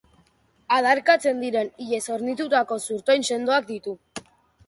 Adarkatzen diren ilez hornitutako zurtoin sendoak ditu.